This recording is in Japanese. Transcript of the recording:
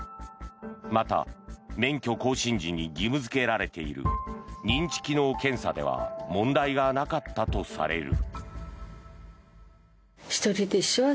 また、免許更新時に義務付けられている認知機能検査では問題がなかったとされる。